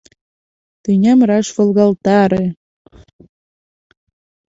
Тӱням раш волгалтаре!